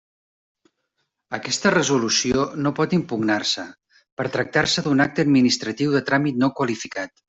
Aquesta resolució no pot impugnar-se, per tractar-se d'un acte administratiu de tràmit no qualificat.